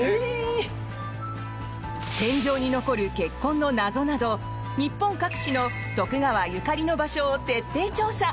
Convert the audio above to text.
天井に残る血痕の謎など日本各地の徳川ゆかりの場所を徹底調査。